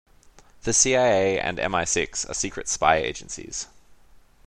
The CIA and MI-Six are secret spy agencies.